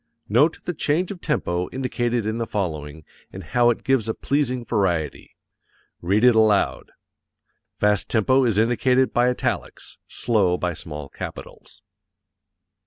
Note the change of tempo indicated in the following, and how it gives a pleasing variety. Read it aloud. (Fast tempo is indicated by italics, slow by small capitals.)